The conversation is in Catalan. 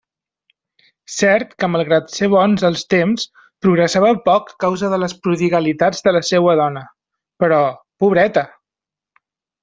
Cert que malgrat ser bons els temps, progressava poc a causa de les prodigalitats de la seua dona; però... pobreta!